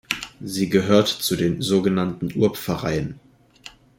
Sie gehört zu den sogenannten Urpfarreien.